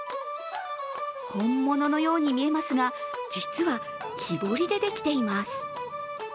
本物のように見えますが実は木彫りでできています。